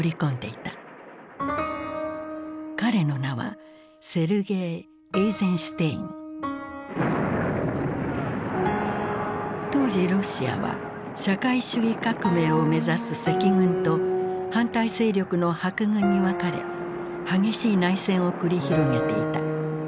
彼の名は当時ロシアは社会主義革命を目指す赤軍と反対勢力の白軍に分かれ激しい内戦を繰り広げていた。